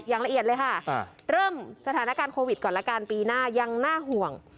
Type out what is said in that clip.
อย่างละเอียดเลยค่ะเริ่มสถานการณ์โควิดก่อนละกันปีหน้ายังน่าห่วง